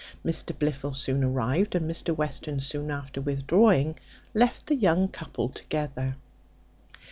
Mr Blifil soon arrived; and Mr Western soon after withdrawing, left the young couple together.